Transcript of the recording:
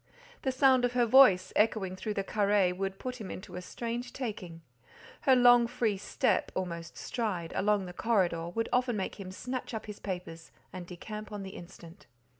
The sound of her voice, echoing through the carré, would put him into a strange taking; her long free step—almost stride—along the corridor, would often make him snatch up his papers and decamp on the instant.